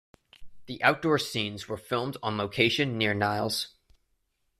The outdoor scenes were filmed on location near Niles.